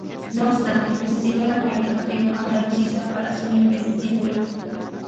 No obstante, necesitó el apoyo del Partido Andalucista para su investidura.